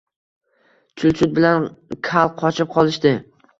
Chulchut bilan Kal qochib qolishdi…